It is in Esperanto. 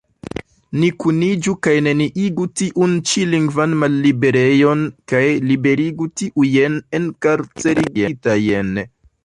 Ni kuniĝu kaj neniigu tiun ĉi lingvan malliberejon kaj liberigu tiujn enkarcerigitajn